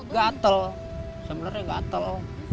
gatel sebenarnya gatel